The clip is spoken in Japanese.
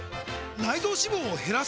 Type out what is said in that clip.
内臓脂肪を減らす！？